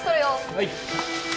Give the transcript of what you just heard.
・はい。